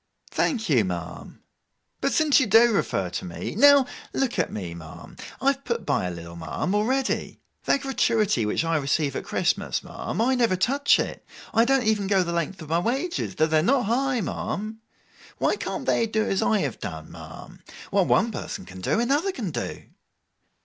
'Thank you, ma'am. But, since you do refer to me, now look at me, ma'am. I have put by a little, ma'am, already. That gratuity which I receive at Christmas, ma'am: I never touch it. I don't even go the length of my wages, though they're not high, ma'am. Why can't they do as I have done, ma'am? What one person can do, another can do.